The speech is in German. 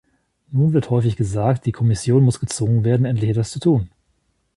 Nun wird häufig gesagt, die Kommission muss gezwungen werden, endlich etwas zu tun.